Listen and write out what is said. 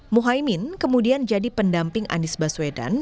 muhaymin kemudian jadi pendamping anies baswedan